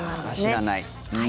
知らない。